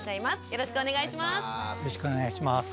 よろしくお願いします。